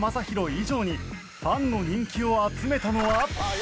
以上にファンの人気を集めたのは。